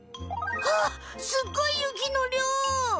あっすっごい雪のりょう！